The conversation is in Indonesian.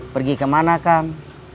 pergi kemana kang